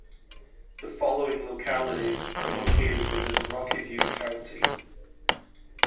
The following localities are located within Rocky View County.